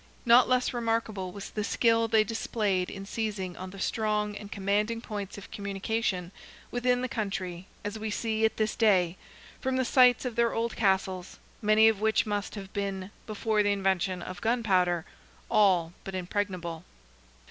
Not less remarkable was the skill they displayed in seizing on the strong and commanding points of communication within the country, as we see at this day, from the sites of their old Castles, many of which must have been, before the invention of gunpowder, all but impregnable.